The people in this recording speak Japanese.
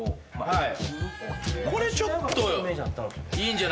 はい。